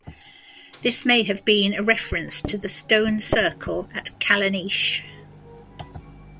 This may have been a reference to the stone circle at Callanish.